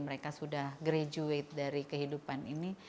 mereka sudah graduate dari kehidupan ini